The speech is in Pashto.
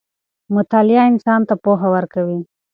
مطالعه انسان ته پوهه ورکوي.